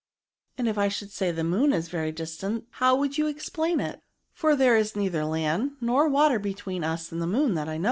" And if I should say the moon is very distant how would you explain it? for there is neither land nor water between us and the moon, that I know of."